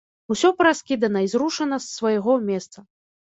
Усё параскідана і зрушана з свайго месца.